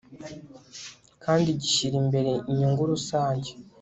kandi gishyira imbere inyungu rusange